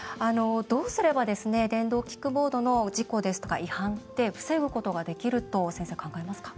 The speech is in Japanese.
どうすれば電動キックボードの事故ですとか違反って防ぐことができると先生考えますか？